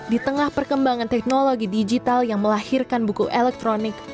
di tengah perkembangan teknologi digital yang melahirkan buku elektronik